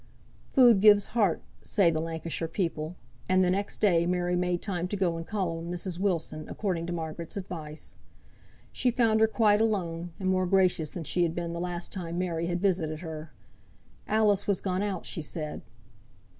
"Food gives heart," say the Lancashire people; and the next day Mary made time to go and call on Mrs. Wilson, according to Margaret's advice. She found her quite alone, and more gracious than she had been the last time Mary had visited her. Alice was gone out, she said.